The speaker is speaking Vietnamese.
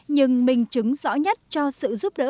nhưng mình chứng rõ nhất cho sự giúp đỡ